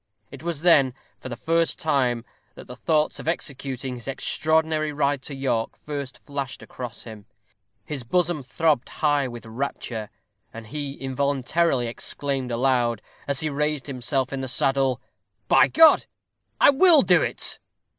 It was then, for the first time, that the thoughts of executing his extraordinary ride to York first flashed across him; his bosom throbbed high with rapture, and he involuntarily exclaimed aloud, as he raised himself in the saddle, "By God! I will do it!"